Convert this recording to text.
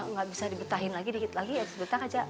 nggak bisa dibetahin lagi dikit lagi ya dibetang aja